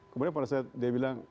kemudian pada saat dia bilang